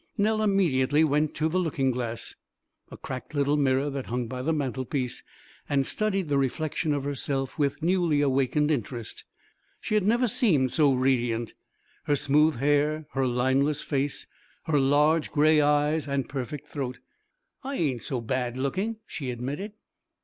Nell immediately went to the looking glass a cracked little mirror that hung by the mantelpiece and studied the reflection of herself with newly awakened interest. She had never seemed so radiant her smooth hair, her lineless face, her large gray eyes and perfect throat. "I ain't so bad looking," she admitted.